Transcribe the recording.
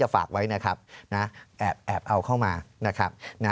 ฝากไว้นะครับแอบเอาเข้ามา